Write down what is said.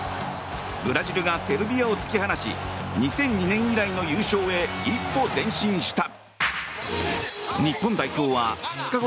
ブラジルがセルビアを突き放し２００２年以来の優勝へ一歩前進した。